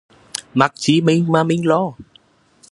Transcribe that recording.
Mắc chi mình mà mình lo